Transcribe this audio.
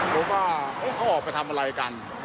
รู้ว่าเขาออกไปทำอะไรกัน